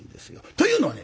というのはね